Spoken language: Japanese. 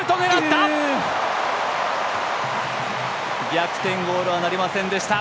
逆転ゴールはなりませんでした。